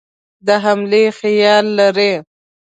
د حملې خیال لري.